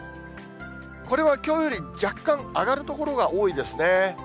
これはきょうより若干上がる所が多いですね。